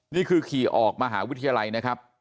นี่คือขี่ออกมหาวิทยาลัยนะครับ